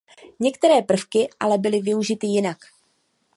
Některé prvky ale byly využity jinak.